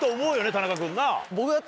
田中君なぁ？